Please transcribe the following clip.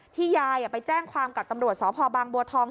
ยายไปแจ้งความกับตำรวจสพบางบัวทอง